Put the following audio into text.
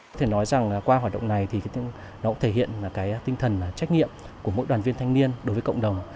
có thể nói rằng qua hoạt động này thì nó cũng thể hiện cái tinh thần trách nhiệm của mỗi đoàn viên thanh niên đối với cộng đồng